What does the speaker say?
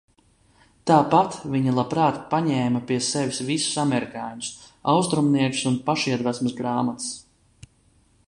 Tāpat viņa labprāt paņēma pie sevis visus amerikāņus, austrumniekus un pašiedvesmas grāmatas.